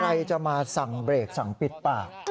ใครจะมาสั่งเบรกสั่งปิดปาก